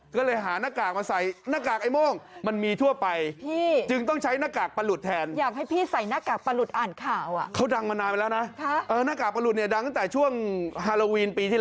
ก็เลยหาหน้ากากมาใส่